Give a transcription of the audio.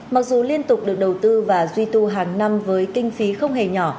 mặc dù liên tục được đầu tư và duy tu hàng năm với kinh phí không hề nhỏ